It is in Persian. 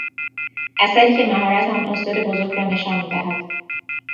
اثری که مهارت آن استاد بزرگ را نشان میدهد